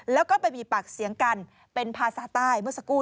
แล้วก็ไปมีปากเสียงกันเป็นภาษาใต้เมื่อสักครู่